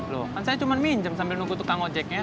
loh kan saya cuma minjem sambil nunggu tukang ojeknya